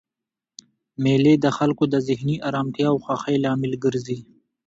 مېلې د خلکو د ذهني ارامتیا او خوښۍ لامل ګرځي.